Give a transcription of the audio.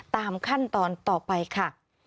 ตามขั้นตอนต่อไปค่ะ